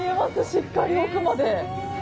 しっかり、奥まで。